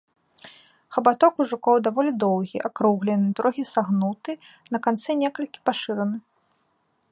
Хабаток ў жукоў даволі доўгі, акруглены, трохі сагнуты, на канцы некалькі пашыраны.